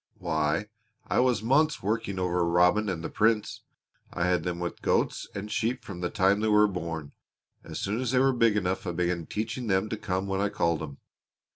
Why, I was months working over Robin and the Prince. I had them with goats and sheep from the time they were born. As soon as they were big enough I began teaching them to come when I called 'em.